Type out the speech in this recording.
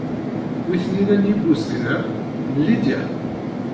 Wi ten-ilan yibuzgen-a? N Lidya.